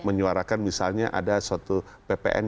itu menyuarakan misalnya ada suatu pps